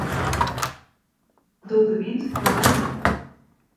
Dokumint bewarje.